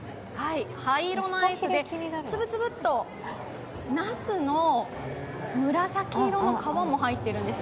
灰色のアイスでつぶつぶっとナスの紫色の皮も入ってます。